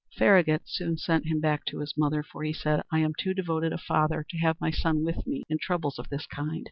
Farragut soon sent him back to his mother; for he said, "I am too devoted a father to have my son with me in troubles of this kind.